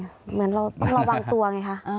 เธอว่าเราตัวไงค่ะ